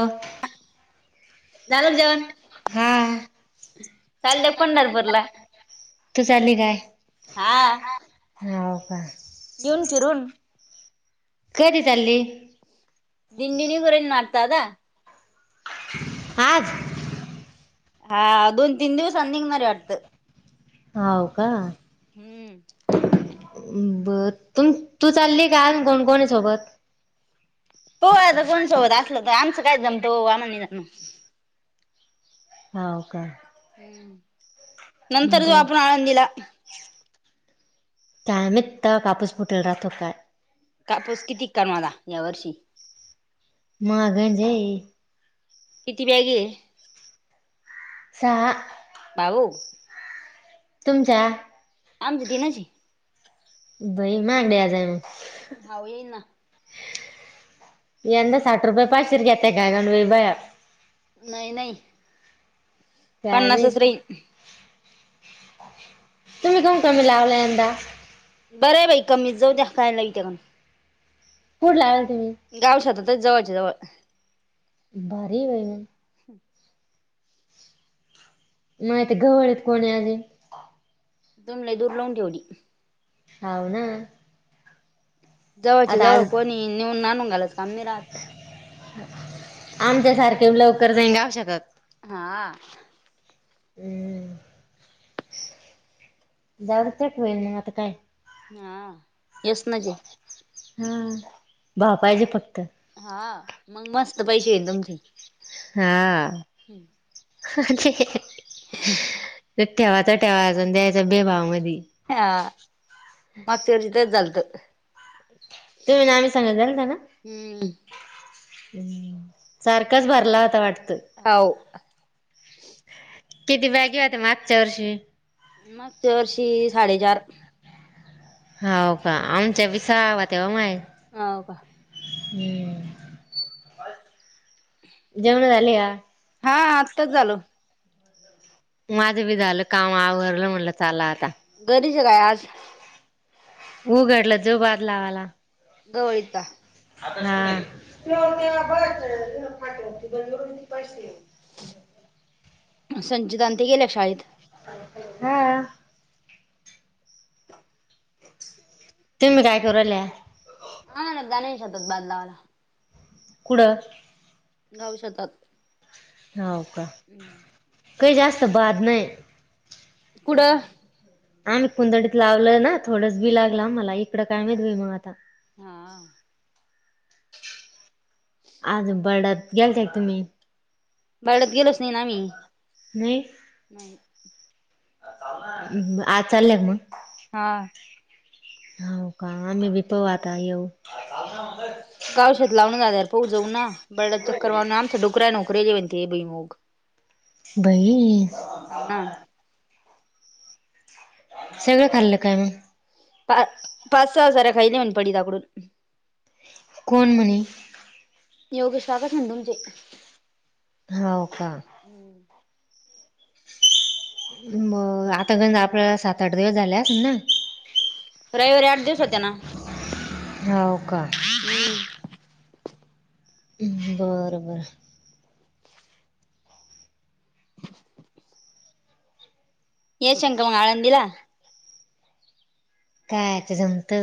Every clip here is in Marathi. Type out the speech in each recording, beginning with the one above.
हो, झालं का चहा जेवण? घेणार का? हा. चालले पंढरपूरला. तू चालली काय? हा नाही गं! हो. येऊन फिरून. कधी चालली? दिंडी निघू राहीली नं? आता दादा. आज? हा.., दोन-तीन दिवसांनी निघणार आहे वाटतं? हौ का? हम्म. बर, तु तू चाललीय का आज? कोण-कोण आहे सोबत. पाहू आता, कोण सोबत असलं तर, आमचं काय जमतं ओ! आमाला नाही जमायचं. हा, हो का? नंतर जावू, बर आपण आळंदीला. [inaudible] कायमच त कापूस फुटल राहातो काय कापोस किती कर मला या वर्षी [inaudible] मागणज [inaudible] किती बॅगे [inaudible] सहा जाऊ? तुमच्या आमची तनचये - भाई माांगड आ जाय म हाव येईन ना. यंदा साठ रुपये पाशर घेत काय गण बाया नाही नाही काय माहित पनासस रहित तुमही कण कमलाव यंदा? बर आहे बाई कमीत जाऊ द्या कायला त्या काण कुठ ला? गाव शातातच जवळच्या- जवळ बारी वई म हम् माहिती गवळेत कोणी आजे तुम्ही लय दूर लावून ठेवली. हव ना? जवळच्या आता आज जवळ कोणी नेऊन नानून घालास काम नाही राहत. आमच्या सारखे लवकर जाईन गाऊ शकतत हा हम्म [inaudible] ह जाव तेच होईल मग आता काय? हा यसनच आहे. हा भाव पाहिजे फक्त. हा मग मस्त पैसे तुमचे हा हम्म ह [inaudible] ह [inaudible] ठेवाचा ठेवाचा द्यायचा बेभाव मधी हा मागच्या वर्षी ते झालंत. तुम्ही आम्ही सांगत झाल ना ना [inaudible] हम् सारखाच भरला होता वाटत हव. किती बॅगे होत मागच्या वर्षी? मागच्या वर्षी साडेचार. हॅव का? आमच्या वि सावा तेव माय. होव का? हम्म. जेवण झाले का? हा आत्ताच झालो. माझं बी झालं काम आवरलं म्हणटलं चाला आता शकाय आज [inaudible] उघडलं जो बाद लावाला गवळीत का? [unintelligible] संजितां ते गेल्या शाळेत. हा. तुम्ही काय करू राहिल्या? आम्हाला जाण शेतात बादलावाला. कुडं? घाऊ शतात. होव का? काही जास्त बाद नाही. कुड? आम्ही कुंंदडीत लावलं ना थोडंच बी लागलं मला इकडं काय माहित बाई मग आता. हा. आज बरडात गेलता का तुम्ही? बर्डात गेलोच नाही ना नाही मी. आज चालल्या का मग? हा. होव का आम्ही भी पहुं आता येऊ. गावशात लावण झाल्यार पोऊ जाऊ ना, बर्डात चक्कर मारून आमच्या डुकरांन उखरेल म्हण ते भुईमूग. बई. हाव ना. सगळं खाल्लं काय मग? प पास सहा सऱ्या खाल्ल्या म्हण पडिता कडून. कोण म्हणे? योगेश काकाच म्हणे तुमचे. हव का. मग आता घ आपल्या सात आठ दिवस झालेस आसन रविवारी आठ दिवस होत्या ना ना? होव का. बरं बर. एशियन का मंग आळंदीला? कायच जमत.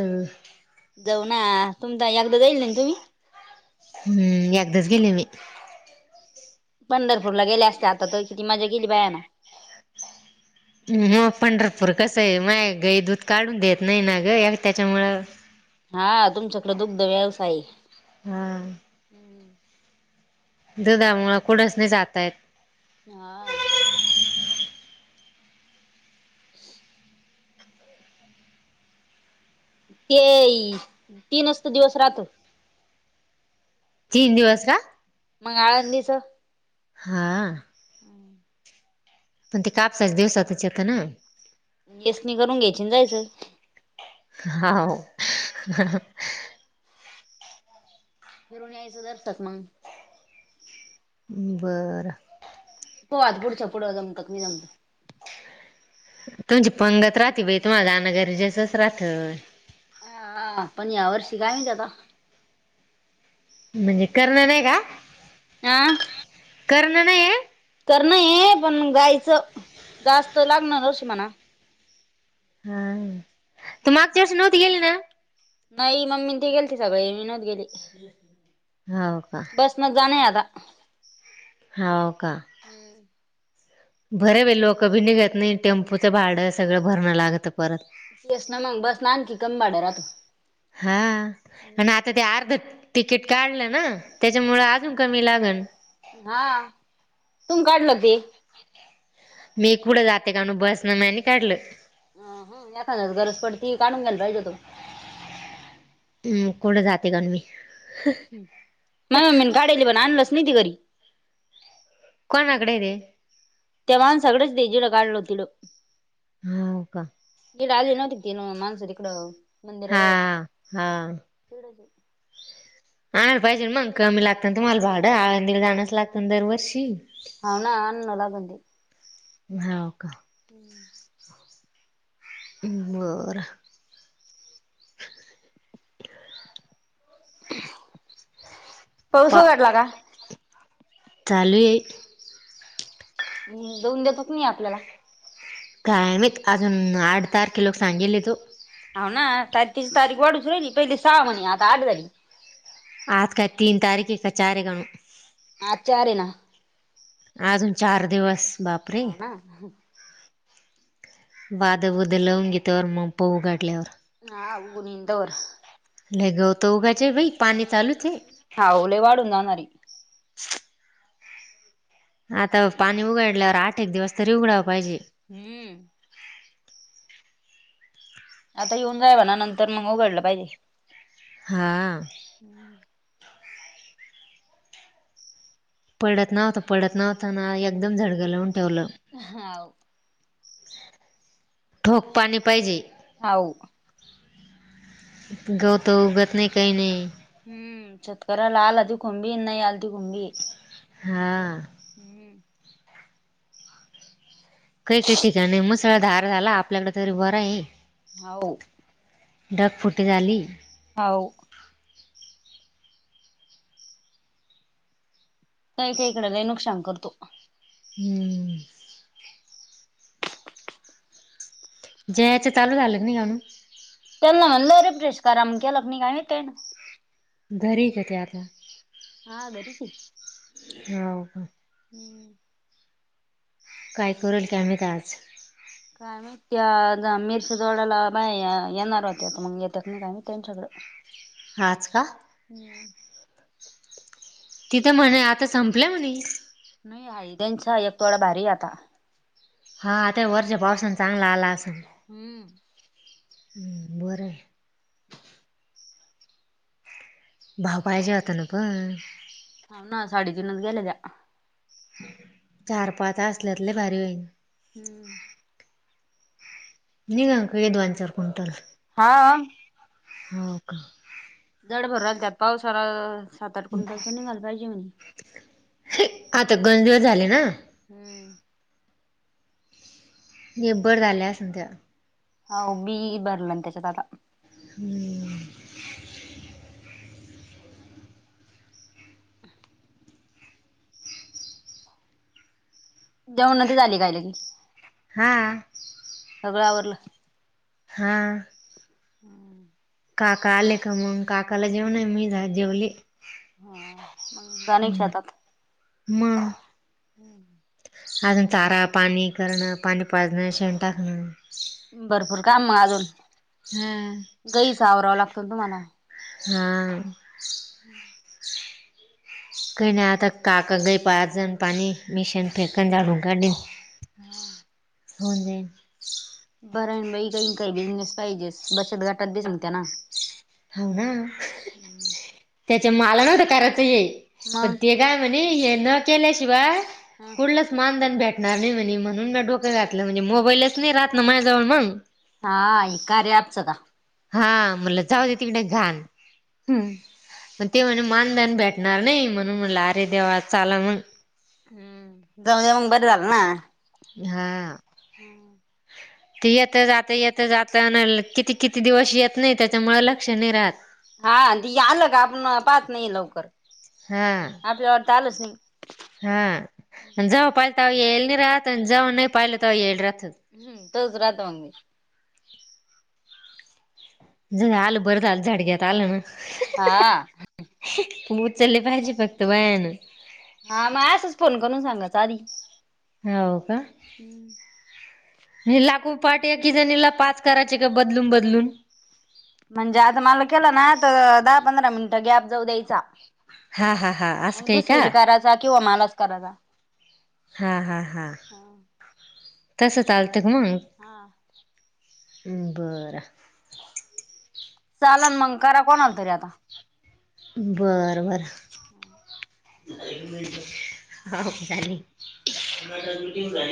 जाऊ ना, तुम एकदां जाईल ना तुम्ही? हम्म एकदच गेले मी. पंढरपूरला गेल्या असते आता तर किती मजा केेली बाया ना. मग पंढरपूर कसं आहे, म गई दूध काढून देत नाही ना ग त्याच्यामुळं हा तुमच्याकडे दुग्ध व्यवसाय. हा. दुधामुळ कुढच नाही जाता येत. हा. [inaudible] ते तीनचत दिवस राहतो. तीन दिवस का? मग आळंदीचं? हा. पण ते कापसाच दिवसातच येत ना. येसनी करून घ्यायची आणि जायचं हाव. फिरून यायचं दरशक मंग. बरं. पाहू आता पुडच्या पुड जमत क नाही जमत. तुमची पंगत राहते बाई तुम्हाला जाना गरजेसच राहत. हा हा पण या वर्षी काय माहिती आता. म्हणजे करणं नाही का? आ? करण नाहीय? पण जायचं जास्त लागणार वर्ष म्हणा. हा. तू मागच्या वर्षी नव्हती गेली ना? नाही मम्मी ते गेलती सगळी, मी नव्हती गेली. हो का बसनच जाणे आता. हम्म. भरबाई लोक भि निगत नाही टेम्पूचं भाड सगळं भरणं लागतं परत. तेच ना मग बस न आणखी कमी भाडं राहत. हा आणि आता ते अर्ध तिकीट काढलं ना त्याच्यामुळं अजून कमी लागन. हा तूम काढलं ते. मी कुठं जाते काणू बसन, म्या नाही काढलं. अ हम एखादा गरज पडती काढून घ्याल पाहिजे होत. हम्म कुठं जाते काणू मी. माझ्या मम्मीन काढेल पण आणलंस नाही ते घरी. कोणाकडय ते. त्या माणसाकडंचे ते जिढ काढेलं होत तीढ. हो का ईढ आली नव्हती तिन माणसं तिकडं. हा मंदिराजवळ हा. आणाय पाहिजेन मग कमी लागतं न तुम्हाला भाडं आळंदीला जाणच लागतं दरवर्षी. हाव ना आणणं लागन ते होव का? [inaudible] बर. पाऊस उघडला का? चालूये. जाऊन देतोकणी नई आपल्याला. कायमाहीत अजून आठ तारखे लोक सांगेल तो. होव ना तारखेची तारीख वाढूच राहिली पहिली सहा म्हणे आता आठ झाली. आज काय तीन तारीखे का चार कानु. आज चारे ना. अजून चार दिवस. बापरे हाव ना. बाद बुद लावून घे तवर मग पाहु उघाडल्यावर. हा उगून येईन तवर. लई गवत उघाचे बाई पाणी चालूचये. हा ओ लई वाढून जाणारे. आता पाणी उघडल्यावर आठ एक दिवस तरी उघडावा पाहिजे. हम्म आता येऊन जाय म्हणा नंतर मग उघडलं पाहिजे. हा. पडत नव्हता पडत नव्हता ना एकदम झडग लावून ठेवलं. हाव. ठोक पाणी पाहिजे. हाव. गौत उगत नाही काही नाही. हम्म शेतकरला आल तीकुन भी अन् नाही आल तीकुन भीये. हा. काही काही ठिका नाही मुसळधार झाला आपल्याकडे तरी बरंय. हाव. ढगफुटी झाली. हाव. काही काही इकड लय नुकसान करतो. हम्म. जयाचं चालू झालं की नाही कानू. तर अमक्या लग्नी काय ते ना [unintelligible] घरीय का ते आता. हा घरीच हो का आहे काय करेल की आम्ही त आज काय मा त्या मिरच्या जोडाला बाय येणार होत मग येतात नाही काय त्यांच्याकडें आज का हम्म. तिथं म्हणे आता संपलं म्हणे नाही हादनचा एक थोडा भारी आता हा आता वरच्या पावसान चांगला आला असं हम्म बरं भाव पाहिजे होता ना पण हो ना साडेतीनच गेले त्या चार पाच असल्यातले भारी बाई. हम्म निघांक य दोन चार क्विंटल हा हो का [inaudible] सात आठ क्विंटल निघाल पाहिजे म्ह ए, आता गंज दिवस झाले ना हम्म निर्भर झाल्या सध्या हो बी भरलं ना त्याच्यात आता. हम्म. [inaudible] हां सगळं आवरलं हा हम्म काका आले का मग काकाला जेवण आहे मी जेवले हम्म. [inaudible] मग हम्म. अजून चारा पाणी करणं पाणी पाजणं शेण टाकणं. भरपूर काम मग अजून हा गईचा आवराव लागतो तुम्हाला हा. काही नाता का का गई पाारजन पाणी मेशीन फेकन जा डुूनंगडीन हा. होऊन जाइल बरण बाई काही काही बिझनेस पाहिजेस बचत घाटात बस न त्या ना होव ना त्याच्या माला नव्हतं करायचं ये पण मग ते काय म्हणे हे न केल्याशिवाय ह कुठलंच मानधन भेट घणार नाही म्हणे म्हणून म डोकं घातलं म्हणजे मोबाईलच नाही राहत ना माझ्याजवळ मग हा कार्या अँप च का हा म्हटलं जाऊ दे तिकडे घाण हम्म मग ते म्हणे मानधन भेटणार नई म्हणून म्हटलं अरे देवा चला मग जाऊद्या मग बरं झालं ना हा हम्म. ते येता जाता येता जाता अन किती- किती दिवस येत नाही, त्याच्यामुळे लक्ष नाही राहत. हा ते आलं का आपण पाहत नाही लवकर, हा आपल्या वाटतं आलंच नाही. हा जव्हा पाहिल तव्हा येईल नई रहात अन, जव्हा नई पहात तव्हा येईल रहातं. तसच राहतं मग.. झालं बरं झालं झडग्यात आलं ना. हा.. उचललं पाहिजे फक्त बयानं. हा मग असचं फोन करून सांगायचं आधी. हाव का? हम्म.. हे लाकू पाटे एकी जणीला पाच करायचे का बदलून बदलून. म्हणजे आता मला केलं ना तर दहा पंधरा मिनिटं गॅप जाऊ द्यायचा. हा हा हा असं मग काही का दुसरीला करायचा किंवा मलाच करायचा. हा हा हा.. तसं चालतं का मंग? हा बरं. चालन मंग करा कोणाला तरी आता. बरं बरं. हम. हा ओ झाली... [inaudible] मीटिंग झाली